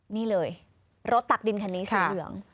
นี่เลยรถตักดินคันนี้สีเหลือง